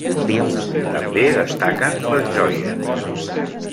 També destaquen les joies.